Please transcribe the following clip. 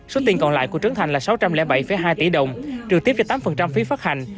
số tiền còn lại của trấn thành là sáu trăm linh bảy hai tỷ đồng trừ tiếp cho tám phí phát hành